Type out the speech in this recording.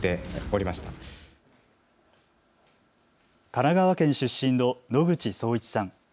神奈川県出身の野口聡一さん。